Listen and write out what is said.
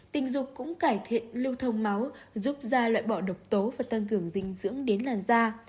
tình dục cũng cải thiện lưu thông máu giúp da loại bỏ độc tố và tăng cường dinh dưỡng đến làn da